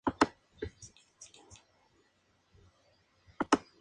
Bajo presión imperial, ambos concilios adoptaron sendas profesiones de fe semi-arrianas.